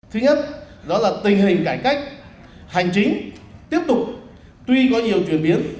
thứ nhất đó là tình hình cải cách hành chính tiếp tục tuy có nhiều chuyển biến